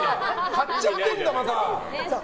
買っちゃってるんだ、また。